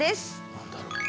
何だろう？